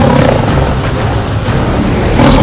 dari jurus ini